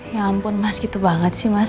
ya ampun mas gitu banget sih mas